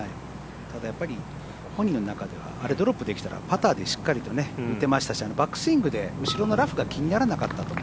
ただ、やっぱり本人の中ではあれ、ドロップできたらパターでしっかりと打てましたしバックスイングで後ろのラフが気にならなかったと。